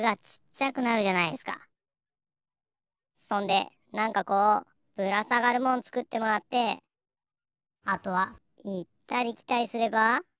そんでなんかこうぶらさがるもんつくってもらってあとはいったりきたりすれば。